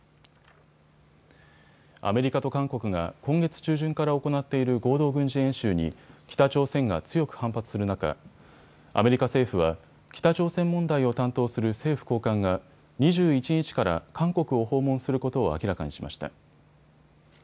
アメリカと韓国が今月中旬から行っている合同軍事演習に北朝鮮が強く反発する中、アメリカ政府は、北朝鮮問題を担当する政府高官が２１日から韓国を訪問することを明らかにしました。